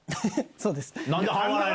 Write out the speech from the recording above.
そうです。